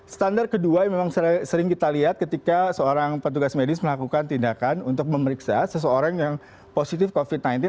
standar kedua memang sering kita lihat ketika seorang petugas medis melakukan tindakan untuk memeriksa seseorang yang positif covid sembilan belas